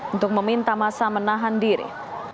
untuk meminta masa menahan diri